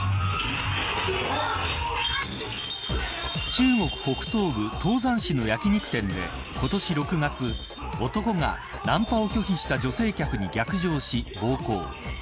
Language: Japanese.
中国、北東部唐山市の焼き肉店で今年６月、男がナンパを拒否した女性客に逆上し暴行。